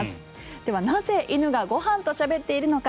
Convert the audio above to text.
では、なぜ犬がご飯としゃべっているのか。